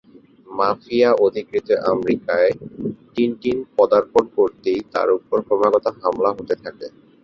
Mafia অধিকৃত আমেরিকায় Tintin পদার্পণ করতেই তার ওপর ক্রমাগত হামলা হতে থাকে।